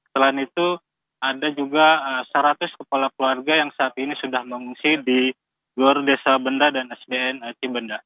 selain itu ada juga seratus kepala keluarga yang saat ini sudah mengungsi di gor desa benda dan sdn cibenda